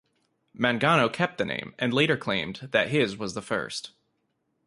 Mangano kept the name and later claimed that his was the first.